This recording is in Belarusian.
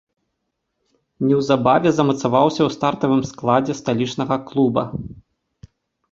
Неўзабаве замацаваўся ў стартавым складзе сталічнага клуба.